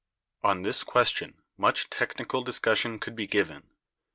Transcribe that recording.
On this question much technical discussion could be given.